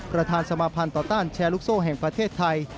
ประธานสมาภัณฑ์ต่อต้านแชร์ลูกโซ่แห่งประเทศไทย